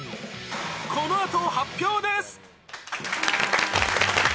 このあと発表です。